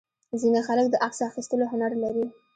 ځینې خلک د عکس اخیستلو هنر لري.